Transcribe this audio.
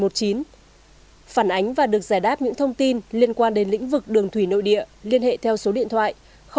phản ánh và được giải đáp những thông tin liên quan đến lĩnh vực đường thủy nội địa liên hệ theo số điện thoại